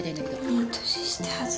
いい年して恥ず。